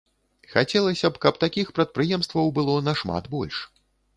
Хацелася б, каб такіх прадпрыемстваў было нашмат больш.